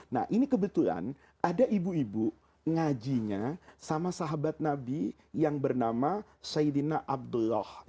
nah ini kebetulan ada ibu ibu ngajinya sama sahabat nabi yang bernama saidina abdullah